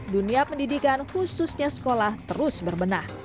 dunia pendidikan khususnya sekolah terus berbenah